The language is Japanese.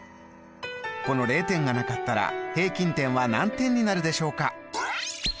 この０点がなかったら平均点は何点になるでしょうか？